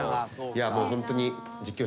「もうホントに」